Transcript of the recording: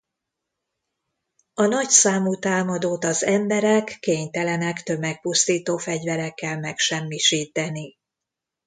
A nagyszámú támadót az emberek kénytelenek tömegpusztító fegyverekkel megsemmisíteni.